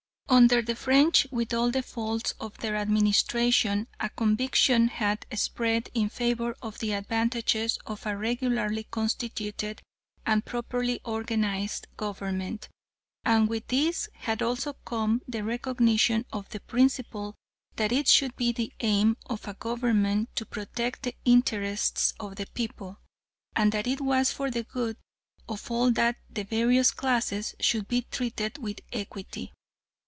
Under the French, with all the faults of their administration, a conviction had spread in favour of the advantages of a regularly constituted and properly organised government, and with this had also come the recognition of the principle that it should be the aim of a government to protect the interests of the people, and that it was for the good of all that the various classes should be treated with equity.